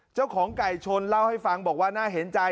เจ้าของไก่ชนเล่าให้ฟังบอกว่าน่าเห็นใจ